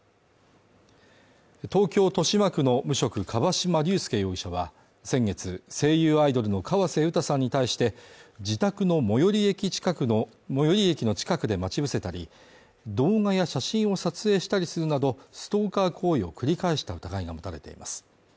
東京豊島区の無職樺島隆介容疑者は先月、声優アイドルの河瀬詩さんに対して、自宅の最寄り駅の近くで待ち伏せたり、動画や写真を撮影したりするなどストーカー行為を繰り返した疑いが持たれています。